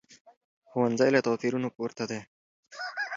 ښوونځی له توپیرونو پورته دی